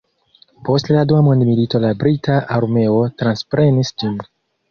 Post la dua mondmilito la brita armeo transprenis ĝin.